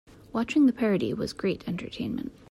Watching the parody was great entertainment.